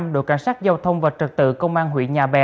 đội cảnh sát giao thông và trật tự công an huyện nhà bè